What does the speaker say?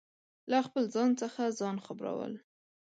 له خپل ځان څخه ځان خبرو ل